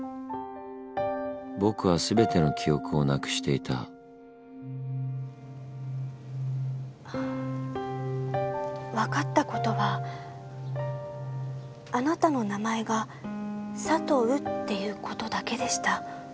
僕は全ての記憶をなくしていた分かったことはあなたの名前がサトウっていうことだけでした。